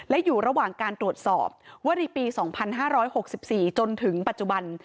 และอยู่ระหว่างการตรวจสอบว่าในปี๒๕๖๔จนถึงปัจจุบัน